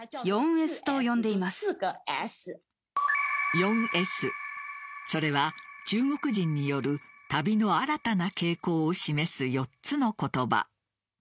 ４Ｓ、それは中国人による旅の新たな傾向を示す４つの言葉。